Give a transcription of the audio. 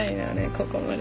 ここまで。